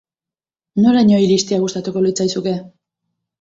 Noraino iristea gustatuko litzaizuke?